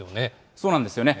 そうなんですよね。